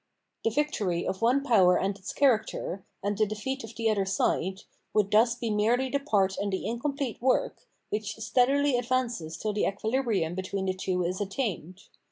The victory of one power and its character, and the defeat of the other side, would thus be merely the 470 Phenomenology of Mind part and the incomplete work, which steadily advances till the equilibrium between the two is attained.